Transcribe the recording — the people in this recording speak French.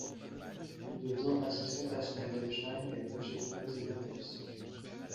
Il devient assistant personnel d'Epstein et attaché de presse des Beatles.